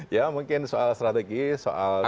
ya mungkin soal strategi soal timing